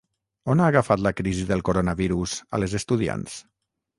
On ha agafat la crisi del coronavirus a les estudiants?